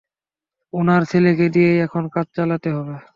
উনার ছেলেকে দিয়েই এখন কাজ চালাতে হবে।